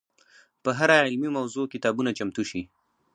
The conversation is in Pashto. په هره علمي موضوع کتابونه چمتو شي.